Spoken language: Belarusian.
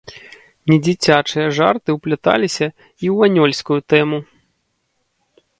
Недзіцячыя жарты ўпляталіся і ў анёльскую тэму.